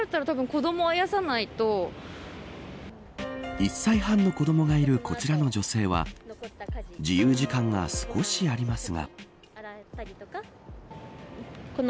１歳半の子どもがいる、こちらの女性は自由時間が少しありますが。